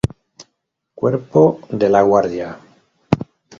Cuerpo de la Guardia.